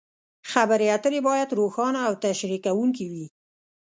خبرې اترې باید روښانه او تشریح کوونکې وي.